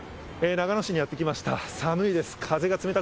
長野市にやって来ました。